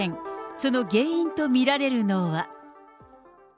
その原因と見られるのは。